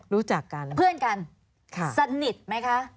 รู้จักกันเพื่อนกันสนิทไหมคะ